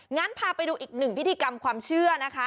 งั้นพาไปดูอีกหนึ่งพิธีกรรมความเชื่อนะคะ